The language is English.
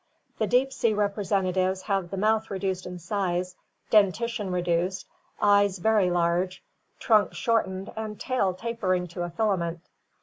The deep sea representatives have the mouth reduced in size, dentition reduced, eyes very large, trunk shortened and tail tapering to a filament.